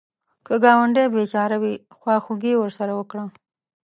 که ګاونډی بېچاره وي، خواخوږي ورسره وکړه